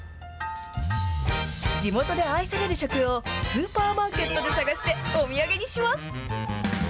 地元で愛される食をスーパーマーケットで探してお土産にします。